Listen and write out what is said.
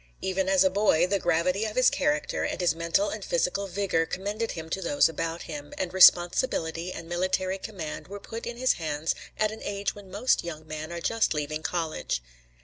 Even as a boy the gravity of his character and his mental and physical vigor commended him to those about him, and responsibility and military command were put in his hands at an age when most young men are just leaving college.